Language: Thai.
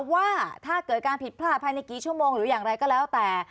ว่าถ้าเกิดการผิดพลาดภายในกี่ชั่วโมงหรืออย่างไรก็แล้วแต่